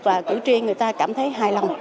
và cử tri người ta cảm thấy hài lòng